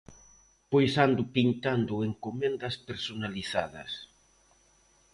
Pois ando pintando encomendas personalizadas.